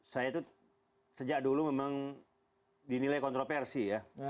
saya itu sejak dulu memang dinilai kontroversi ya